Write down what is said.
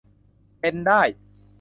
เป็นได้